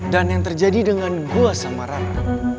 dan yang terjadi dengan gue sama rara